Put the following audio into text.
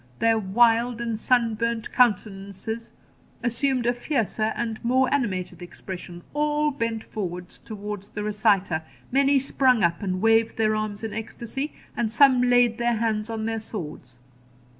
Their wild and sun burnt countenances assumed a fiercer and more animated expression; all bent forward towards the reciter, many sprung up and waved their arms in ecstasy, and some laid their hands on their swords.